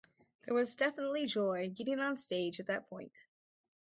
There was definitely joy getting onstage at that point.